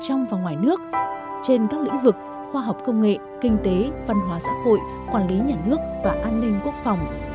trong và ngoài nước trên các lĩnh vực khoa học công nghệ kinh tế văn hóa xã hội quản lý nhà nước và an ninh quốc phòng